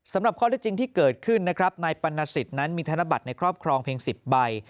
สำหรับข้อได้จริงที่เกิดขึ้นนะครับนายปรณสิทธิ์นั้นมีธนบัตรในครอบครองเพียง๑๐ใบ